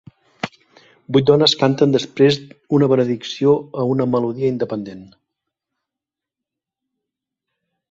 Vuit dones canten després una benedicció a una melodia independent.